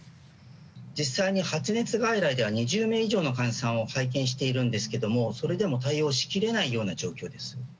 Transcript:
実際に発熱外来では２０名以上の患者さんを拝見していますがそれでも対応しきれないような状況です。